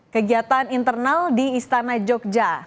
kegiatan internal di istana jogja